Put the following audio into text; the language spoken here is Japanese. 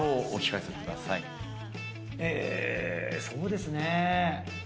そうですね。